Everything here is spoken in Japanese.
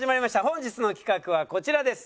本日の企画はこちらです。